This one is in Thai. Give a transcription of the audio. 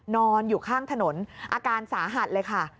นอนอยู่ข้างถนนอาการสาหัสเลยค่ะ